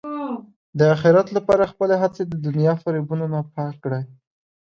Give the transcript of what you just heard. د اخرت لپاره خپلې هڅې د دنیا فریبونو نه پاک کړئ.